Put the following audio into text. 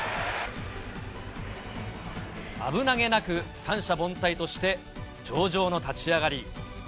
危なげなく三者凡退として上々の立ち上がり。